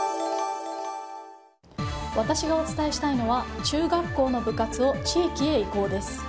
私がお伝えしたいのは中学校の部活を地域へ移行です。